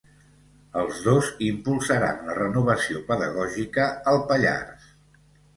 Els dos impulsaran la renovació pedagògica al Pallars.